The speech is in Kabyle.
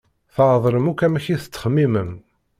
Tɛedlem akk amek i tettxemimem.